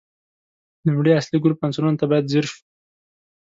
د لومړي اصلي ګروپ عنصرونو ته باید ځیر شو.